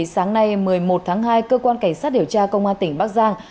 sáng nay một mươi một tháng hai cơ quan cảnh sát điều tra công an tỉnh bắc giang